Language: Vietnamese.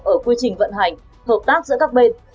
ở quy trình vận hành hợp tác giữa các bên